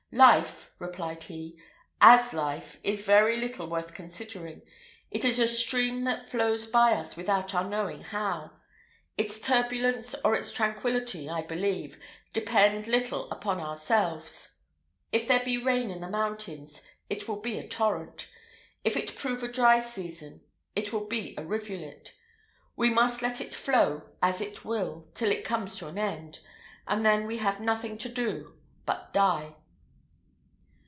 "Life," replied he, "as life, is very little worth considering. It is a stream that flows by us without our knowing how. Its turbulence or its tranquillity, I believe, depend little upon ourselves. If there be rain in the mountains, it will be a torrent; if it prove a dry season, it will be a rivulet. We must let it flow as it will till it come to an end, and then we have nothing to do but die."